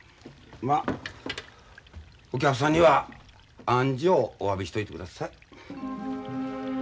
まお客さんにはあんじょうおわびしといてください。